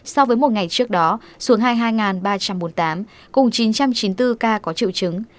so với một ngày trước đó xuống hai ba trăm bốn mươi tám cùng chín trăm chín mươi bốn ca có chịu chứng